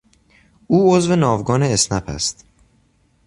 او عضو ناوگان اسنپ است.